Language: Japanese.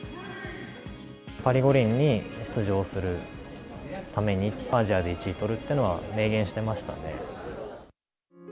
パリ五輪に出場するために、アジアで１位取るっていうのは、明言してましたね。